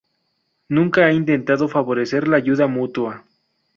Nunca ha intentado favorecer la ayuda mutua.